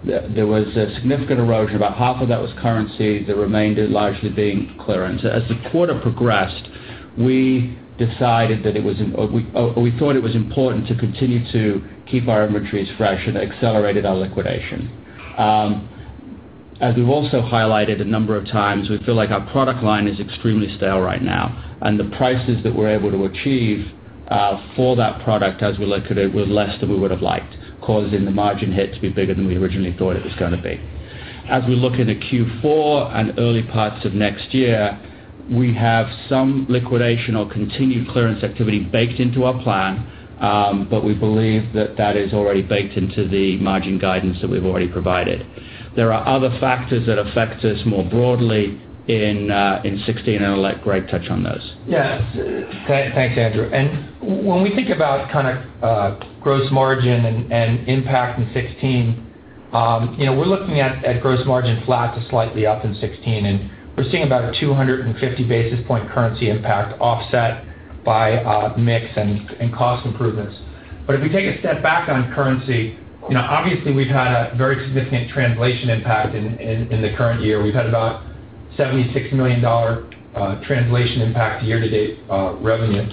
there was a significant erosion. About half of that was currency, the remainder largely being clearance. As the quarter progressed, we thought it was important to continue to keep our inventories fresh, and accelerated our liquidation. As we've also highlighted a number of times, we feel like our product line is extremely stale right now, and the prices that we're able to achieve for that product as we look at it were less than we would've liked, causing the margin hit to be bigger than we originally thought it was going to be. As we look into Q4 and early parts of next year, we have some liquidation or continued clearance activity baked into our plan, but we believe that that is already baked into the margin guidance that we've already provided. There are other factors that affect us more broadly in 2016, I'll let Gregg touch on those. Yes. Thanks, Andrew. When we think about gross margin and impact in 2016, we're looking at gross margin flat to slightly up in 2016, and we're seeing about a 250 basis point currency impact offset by mix and cost improvements. If we take a step back on currency, obviously, we've had a very significant translation impact in the current year. We've had about $76 million translation impact year-to-date revenue.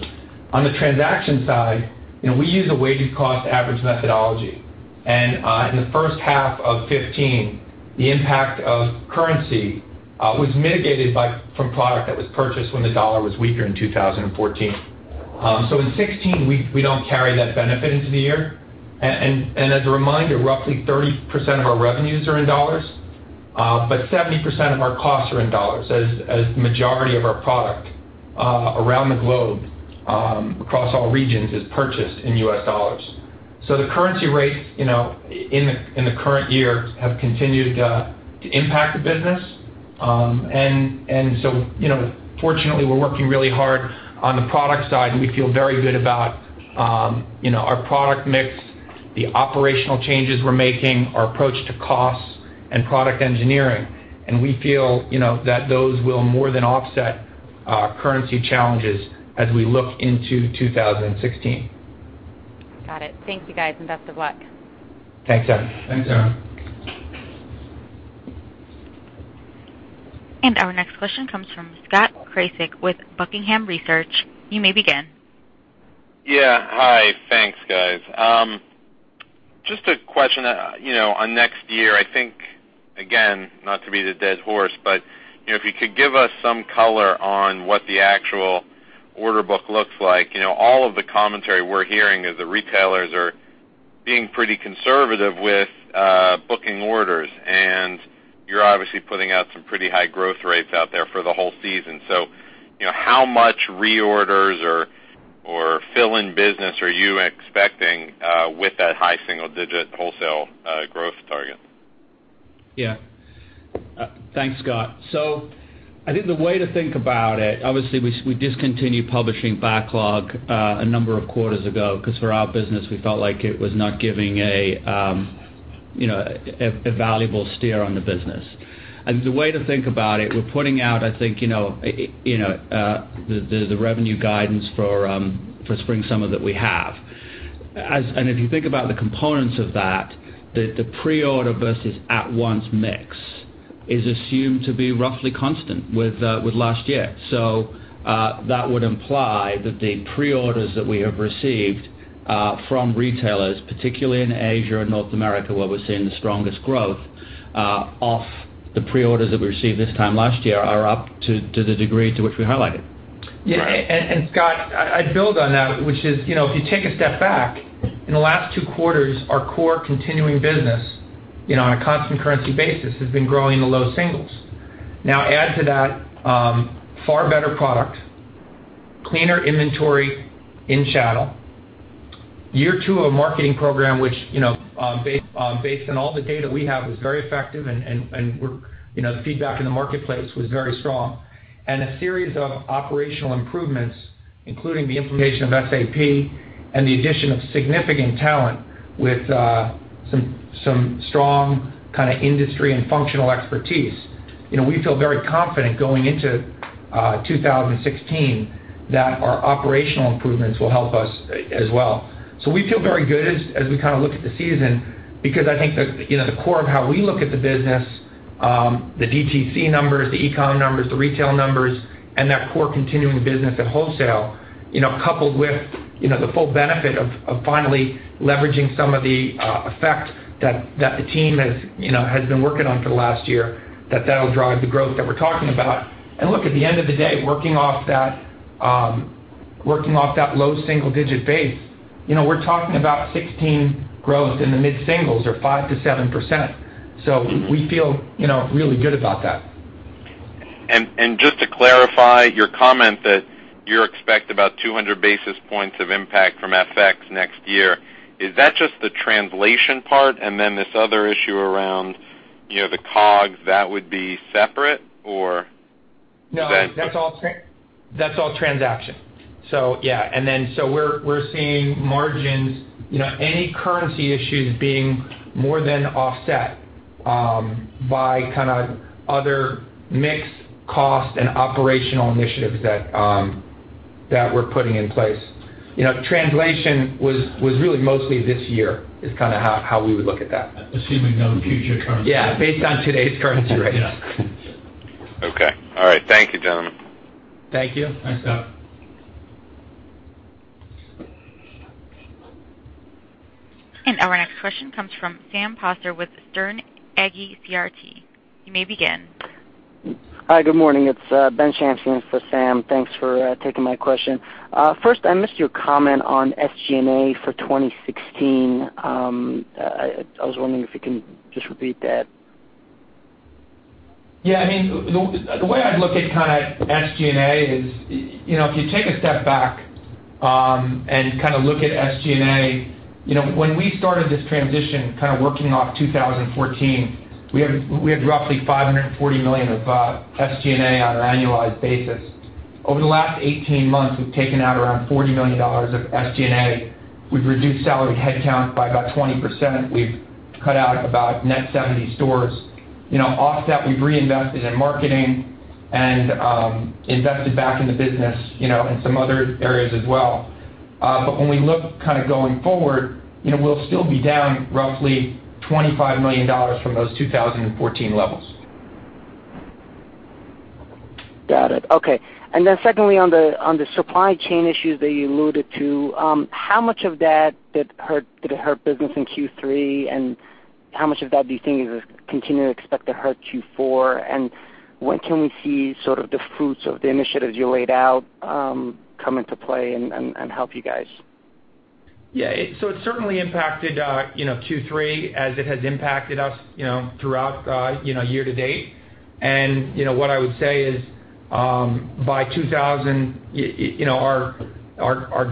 On the transaction side, we use a weighted cost average methodology. In the first half of 2015, the impact of currency was mitigated from product that was purchased when the dollar was weaker in 2014. In 2016, we don't carry that benefit into the year. As a reminder, roughly 30% of our revenues are in dollars, but 70% of our costs are in dollars, as the majority of our product around the globe, across all regions, is purchased in US dollars. The currency rates in the current year have continued to impact the business. Fortunately, we're working really hard on the product side, and we feel very good about our product mix, the operational changes we're making, our approach to costs, and product engineering. We feel that those will more than offset our currency challenges as we look into 2016. Got it. Thank you, guys, and best of luck. Thanks, Erinn. Thanks, Erinn. Our next question comes from Scott Krasik with Buckingham Research. You may begin. Yeah. Hi. Thanks, guys. Just a question on next year. I think, again, not to beat a dead horse, but if you could give us some color on what the actual order book looks like. All of the commentary we're hearing is the retailers are being pretty conservative with booking orders, and you're obviously putting out some pretty high growth rates out there for the whole season. How much reorders or fill-in business are you expecting with that high single-digit wholesale growth target? Yeah. Thanks, Scott. I think the way to think about it, obviously, we discontinued publishing backlog a number of quarters ago because for our business, we felt like it was not giving a valuable steer on the business. The way to think about it, we're putting out, I think, the revenue guidance for Spring-Summer that we have. If you think about the components of that, the pre-order versus at once mix is assumed to be roughly constant with last year. That would imply that the pre-orders that we have received from retailers, particularly in Asia and North America, where we're seeing the strongest growth off the pre-orders that we received this time last year, are up to the degree to which we highlighted. Yeah. Scott, I'd build on that, which is, if you take a step back, in the last two quarters, our core continuing business, on a constant currency basis, has been growing in the low singles. Now, add to that, far better product, cleaner inventory in channel. Year two of marketing program, which, based on all the data we have, was very effective, and the feedback in the marketplace was very strong. A series of operational improvements, including the implementation of SAP and the addition of significant talent with some strong industry and functional expertise. We feel very confident going into 2016 that our operational improvements will help us as well. We feel very good as we look at the season because I think that the core of how we look at the business, the DTC numbers, the e-com numbers, the retail numbers, and that core continuing business at wholesale, coupled with the full benefit of finally leveraging some of the effect that the team has been working on for the last year, that that'll drive the growth that we're talking about. Look, at the end of the day, working off that low single-digit base, we're talking about 2016 growth in the mid-singles or 5%-7%. We feel really good about that. Just to clarify your comment that you expect about 200 basis points of impact from FX next year. Is that just the translation part and then this other issue around the COGS, that would be separate? No, that's all transaction. Yeah. We're seeing margins, any currency issues being more than offset by other mix, cost, and operational initiatives that we're putting in place. Translation was really mostly this year, is how we would look at that. Assuming no future currency. Yeah. Based on today's currency rates. Yeah. Okay. All right. Thank you, gentlemen. Thank you. Thanks, Scott. Our next question comes from Sam Poser with Sterne Agee CRT. You may begin. Hi. Good morning. It's Ben Shamsian for Sam. Thanks for taking my question. First, I missed your comment on SG&A for 2016. I was wondering if you can just repeat that. Yeah. The way I look at SG&A is, if you take a step back and look at SG&A, when we started this transition, working off 2014, we had roughly $540 million of SG&A on an annualized basis. Over the last 18 months, we've taken out around $40 million of SG&A. We've reduced salary headcount by about 20%. We've cut out about net 70 stores. Off that, we've reinvested in marketing and invested back in the business, in some other areas as well. When we look going forward, we'll still be down roughly $25 million from those 2014 levels. Got it. Okay. Secondly, on the supply chain issues that you alluded to, how much of that did hurt business in Q3, and how much of that do you think is continuing to expect to hurt Q4? When can we see the fruits of the initiatives you laid out come into play and help you guys? Yeah. It's certainly impacted Q3 as it has impacted us throughout year to date. What I would say is, our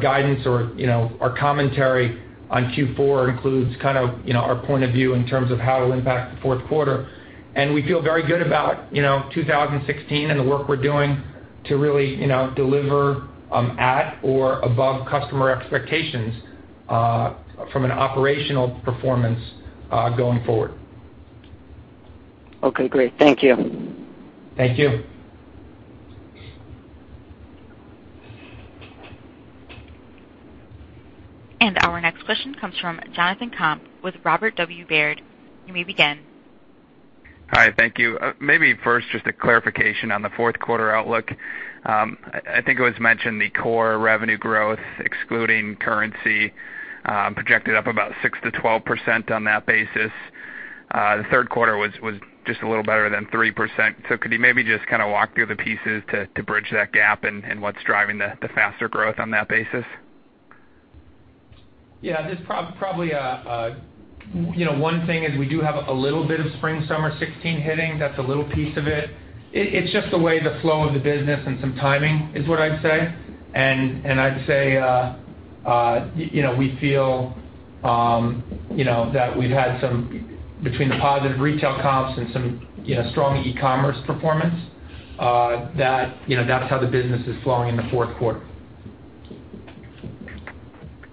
guidance or our commentary on Q4 includes our point of view in terms of how it'll impact the fourth quarter. We feel very good about 2016 and the work we're doing to really deliver at or above customer expectations from an operational performance going forward. Okay, great. Thank you. Thank you. Our next question comes from Jonathan Komp with Robert W. Baird. You may begin. Hi, thank you. Maybe first, just a clarification on the fourth quarter outlook. I think it was mentioned, the core revenue growth, excluding currency, projected up about 6%-12% on that basis. The third quarter was just a little better than 3%. Could you maybe just walk through the pieces to bridge that gap and what's driving the faster growth on that basis? Probably one thing is we do have a little bit of spring/summer 2016 hitting. That's a little piece of it. It's just the way the flow of the business and some timing, is what I'd say. I'd say, we feel that we've had some, between the positive retail comps and some strong e-commerce performance, that's how the business is flowing in the fourth quarter.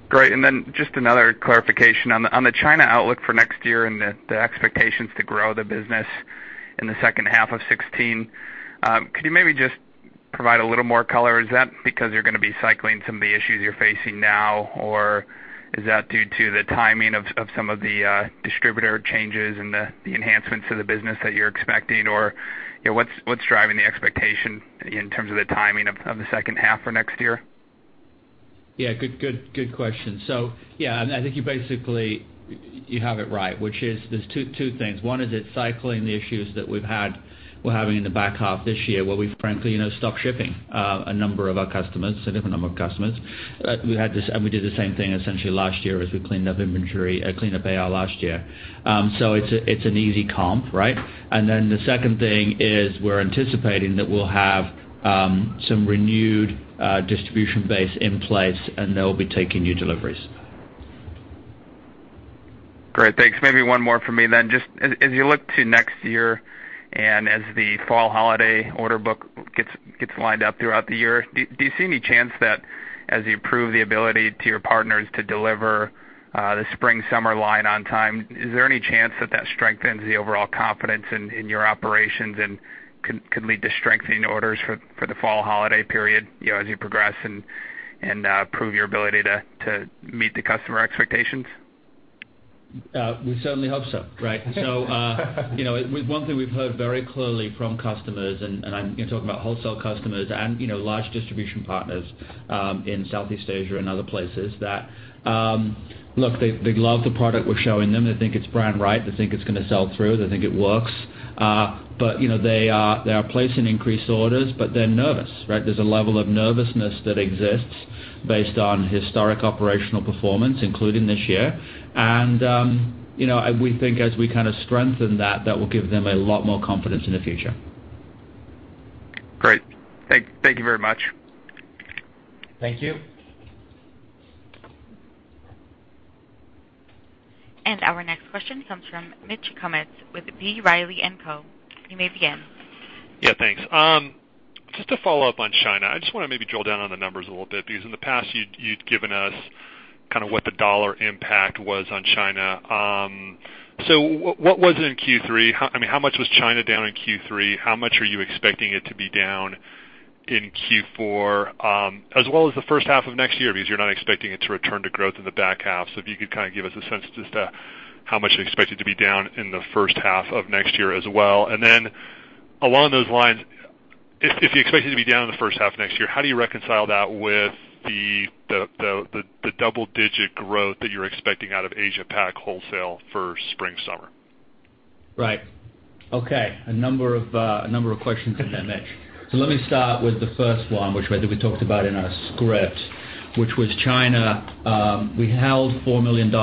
Great. Just another clarification. On the China outlook for next year and the expectations to grow the business in the second half of 2016, could you maybe just provide a little more color? Is that because you're going to be cycling some of the issues you're facing now, or is that due to the timing of some of the distributor changes and the enhancements to the business that you're expecting? What's driving the expectation in terms of the timing of the second half for next year? Good question. I think basically you have it right, which is there's two things. One is it's cycling the issues that we're having in the back half this year where we've frankly stopped shipping a number of our customers, a significant number of customers. We did the same thing essentially last year as we cleaned up our last year. It's an easy comp, right? The second thing is we're anticipating that we'll have some renewed distribution base in place, and they'll be taking new deliveries. Great, thanks. Maybe one more from me. Just as you look to next year and as the fall holiday order book gets lined up throughout the year, do you see any chance that as you prove the ability to your partners to deliver the spring/summer line on time, is there any chance that that strengthens the overall confidence in your operations and could lead to strengthening orders for the fall holiday period as you progress and prove your ability to meet the customer expectations? We certainly hope so, right? One thing we've heard very clearly from customers, and I'm talking about wholesale customers and large distribution partners in Southeast Asia and other places, that, look, they love the product we're showing them. They think it's brand right. They think it's gonna sell through. They think it works. They are placing increased orders, but they're nervous, right? There's a level of nervousness that exists based on historic operational performance, including this year. We think as we strengthen that will give them a lot more confidence in the future. Great. Thank you very much. Thank you. Our next question comes from Mitchel Kummetz with B. Riley & Co. You may begin. Yeah, thanks. Just to follow up on China, I just want to maybe drill down on the numbers a little bit, because in the past, you'd given us what the dollar impact was on China. What was it in Q3? How much was China down in Q3? How much are you expecting it to be down in Q4 as well as the first half of next year? Because you're not expecting it to return to growth in the back half. If you could give us a sense as to how much you expect it to be down in the first half of next year as well. Along those lines If you expect it to be down in the first half next year, how do you reconcile that with the double-digit growth that you're expecting out of Asia Pac wholesale for spring-summer? Right. Okay. A number of questions in there, Mitch. Let me start with the first one, which I think we talked about in our script, which was China. We held $4 million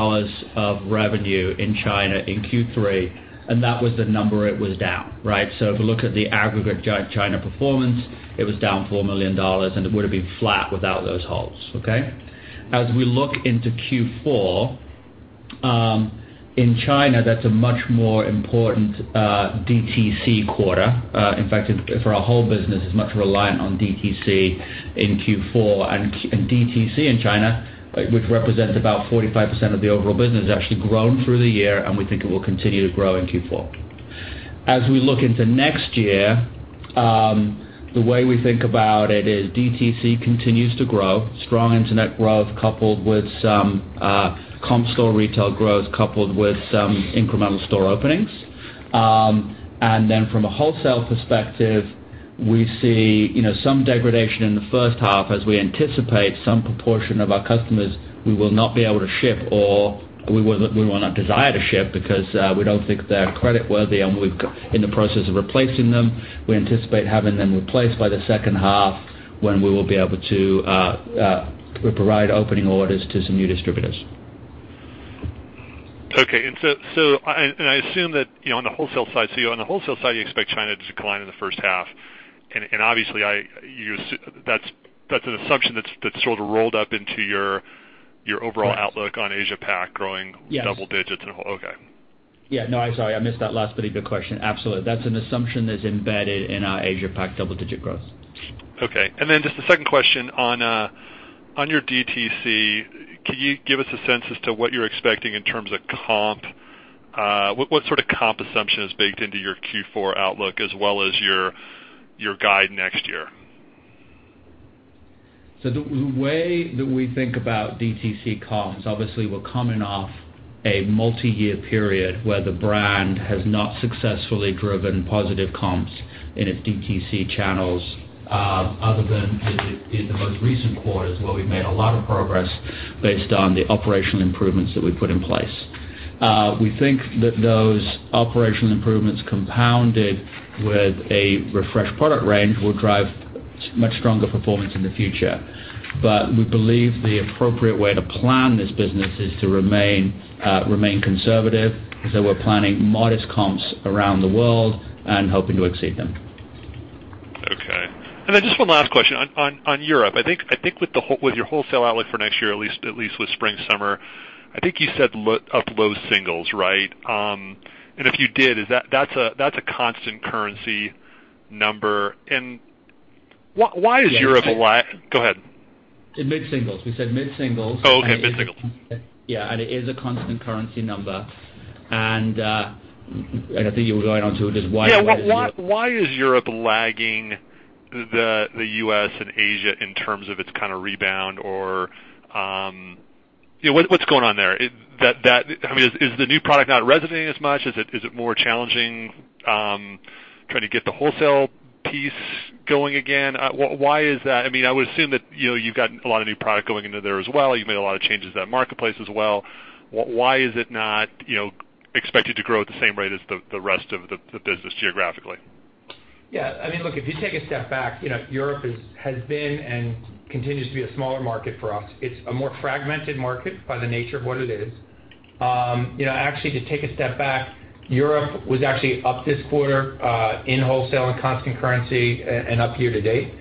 of revenue in China in Q3, and that was the number it was down. Right? If we look at the aggregate China performance, it was down $4 million and it would have been flat without those holds. Okay? As we look into Q4, in China, that's a much more important DTC quarter. In fact, for our whole business, it's much reliant on DTC in Q4. DTC in China, which represents about 45% of the overall business, has actually grown through the year, and we think it will continue to grow in Q4. As we look into next year, the way we think about it is DTC continues to grow. Strong internet growth coupled with some comp store retail growth, coupled with some incremental store openings. From a wholesale perspective, we see some degradation in the first half as we anticipate some proportion of our customers we will not be able to ship, or we will not desire to ship because we don't think they're creditworthy, and we're in the process of replacing them. We anticipate having them replaced by the second half when we will be able to provide opening orders to some new distributors. Okay. I assume that on the wholesale side, you expect China to decline in the first half. Obviously, that's an assumption that's sort of rolled up into your overall outlook on Asia Pac growing double digits and- Yes. Okay. Yeah. No, I'm sorry. I missed that last bit of the question. Absolutely. That's an assumption that's embedded in our Asia Pac double-digit growth. Just the second question on your DTC, can you give us a sense as to what you're expecting in terms of comp? What sort of comp assumption is baked into your Q4 outlook as well as your guide next year? The way that we think about DTC comps, obviously, we're coming off a multi-year period where the brand has not successfully driven positive comps in its DTC channels, other than in the most recent quarters where we've made a lot of progress based on the operational improvements that we put in place. We think that those operational improvements, compounded with a refreshed product range, will drive much stronger performance in the future. We believe the appropriate way to plan this business is to remain conservative, we're planning modest comps around the world and hoping to exceed them. Okay. Just one last question. On Europe, I think with your wholesale outlook for next year, at least with spring-summer, I think you said up low singles, right? If you did, that's a constant currency number. Why is Europe Go ahead. We said mid-singles. Okay. Mid-singles. Yeah. It is a constant currency number. I think you were going on to just why is Europe- Yeah. Why is Europe lagging the U.S. and Asia in terms of its kind of rebound or What's going on there? Is the new product not resonating as much? Is it more challenging trying to get the wholesale piece going again? Why is that? I would assume that you've got a lot of new product going into there as well. You've made a lot of changes to that marketplace as well. Why is it not expected to grow at the same rate as the rest of the business geographically? Yeah. Look, if you take a step back, Europe has been and continues to be a smaller market for us. It's a more fragmented market by the nature of what it is. Actually, to take a step back, Europe was actually up this quarter in wholesale and constant currency and up year to date.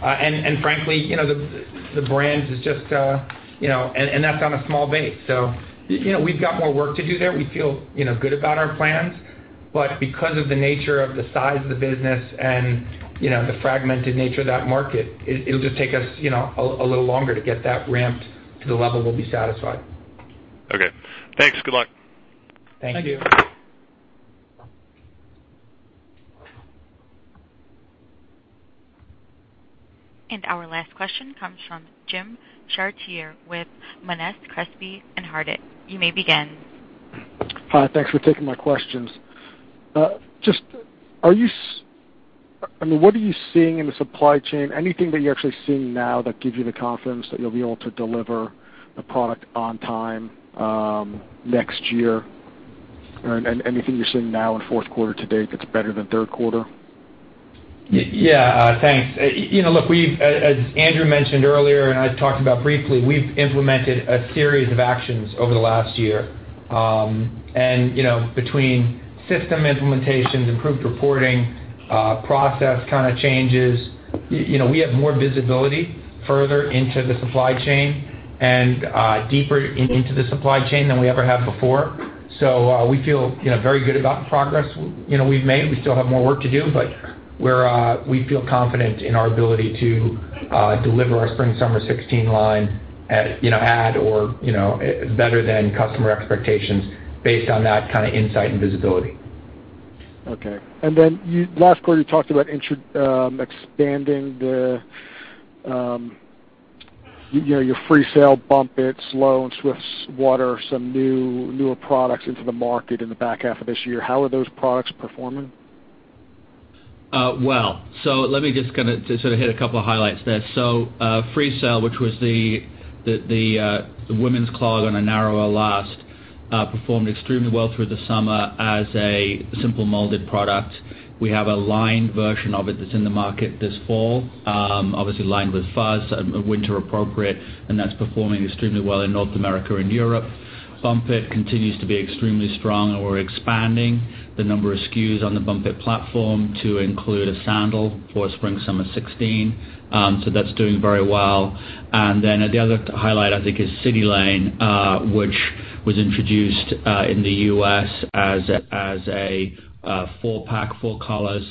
Frankly, the brand is and that's on a small base. We've got more work to do there. We feel good about our plans, because of the nature of the size of the business and the fragmented nature of that market, it'll just take us a little longer to get that ramped to the level we'll be satisfied. Okay. Thanks. Good luck. Thank you. Thank you. Our last question comes from Jim Chartier with Monness, Crespi, Hardt & Co. You may begin. Hi. Thanks for taking my questions. What are you seeing in the supply chain? Anything that you're actually seeing now that gives you the confidence that you'll be able to deliver the product on time next year? Anything you're seeing now in fourth quarter to date that's better than third quarter? Yeah. Thanks. Look, as Andrew mentioned earlier, and I talked about briefly, we've implemented a series of actions over the last year. Between system implementations, improved reporting, process changes, we have more visibility further into the supply chain and deeper into the supply chain than we ever have before. We feel very good about the progress we've made. We still have more work to do, but we feel confident in our ability to deliver our spring-summer 2016 line at or better than customer expectations based on that kind of insight and visibility. Okay. Last quarter, you talked about expanding the Freesail, Bump It, Sloane, Swiftwater, some newer products into the market in the back half of this year. How are those products performing? Let me just hit a couple of highlights there. Freesail, which was the women's clog on a narrower last, performed extremely well through the summer as a simple molded product. We have a lined version of it that's in the market this fall, obviously lined with fuzz, winter appropriate, and that's performing extremely well in North America and Europe. Bump It continues to be extremely strong, and we're expanding the number of SKUs on the Bump It platform to include a sandal for spring/summer 2016. That's doing very well. The other highlight, I think, is CitiLane, which was introduced in the U.S. as a four-pack, four colors,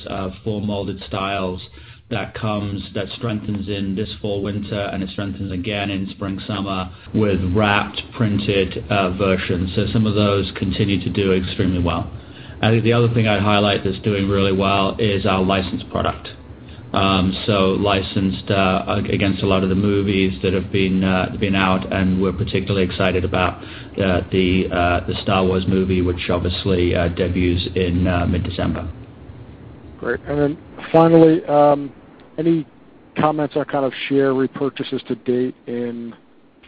four molded styles that strengthens in this fall/winter, and it strengthens again in spring/summer with wrapped, printed versions. Some of those continue to do extremely well. I think the other thing I'd highlight that's doing really well is our licensed product. Licensed against a lot of the movies that have been out, we're particularly excited about the "Star Wars" movie, which obviously debuts in mid-December. Great. Finally, any comments or kind of share repurchases to date in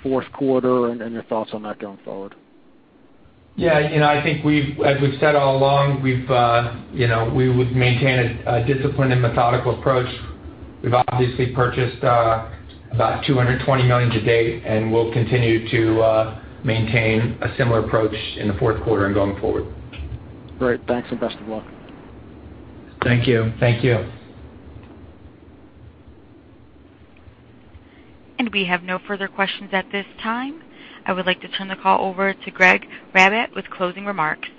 fourth quarter and your thoughts on that going forward? I think as we've said all along, we would maintain a disciplined and methodical approach. We've obviously purchased about $220 million to date, we'll continue to maintain a similar approach in the fourth quarter and going forward. Great. Thanks, and best of luck. Thank you. We have no further questions at this time. I would like to turn the call over to Gregg Ribatt with closing remarks.